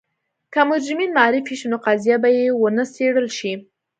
که مجرمین معرفي شي نو قضیه به یې ونه څېړل شي.